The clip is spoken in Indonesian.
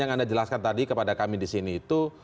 yang anda jelaskan tadi kepada kami disini itu